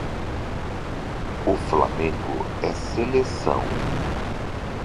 O Flamengo é seleção